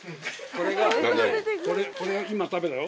これが今食べたろ？